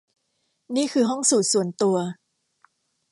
นี่คือห้องสูทส่วนตัว